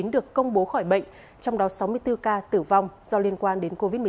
được công bố khỏi bệnh trong đó sáu mươi bốn ca tử vong do liên quan đến covid một mươi chín